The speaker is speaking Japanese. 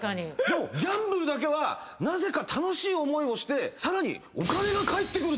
でもギャンブルだけはなぜか楽しい思いをしてさらに。